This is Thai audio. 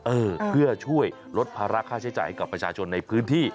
เออเพื่อช่วยลดภาระค่าใช้จ่ายให้กับประชาชนในพื้นที่